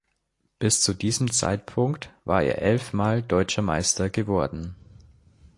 Bis zu diesem Zeitpunkt war er elfmal Deutscher Meister geworden.